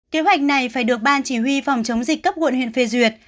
kế hoạch này phải được ban chỉ huy phòng chống dịch cấp quận huyện phê duyệt